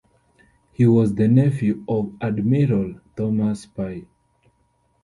He was the nephew of Admiral Thomas Pye.